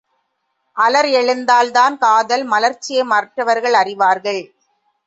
அலர் எழுந்தால் தான் காதல் மலர்ச்சியை மற்றவர்கள் அறிவார்கள்.